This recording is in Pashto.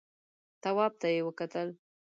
تواب ته يې وکتل.